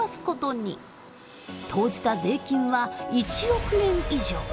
投じた税金は１億円以上。